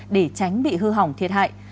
để tránh bị hư hỏng thiệt hại